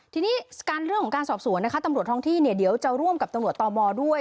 ทีนี้การเรื่องของการสอบสวนนะคะตำรวจท้องที่เนี่ยเดี๋ยวจะร่วมกับตำรวจต่อมอด้วย